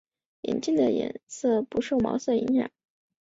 眼镜颜色不受毛色影响。